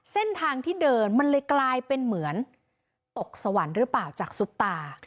เส้นทางที่เดินมันเลยกลายเป็นเหมือนตกสวรรค์หรือเปล่าจากซุปตา